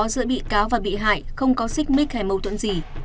giữa bị cáo và bị hại không có xích mích hay mâu thuẫn gì